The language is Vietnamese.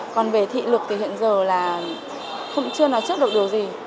còn về thị lực thì hiện giờ là chưa nào chất được điều gì